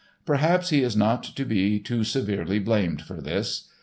Perhaps he is not to be too severely blamed for this.